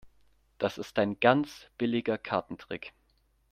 Das ist ein ganz billiger Kartentrick.